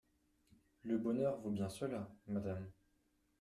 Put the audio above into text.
Le bonheur vaut bien cela, Madame.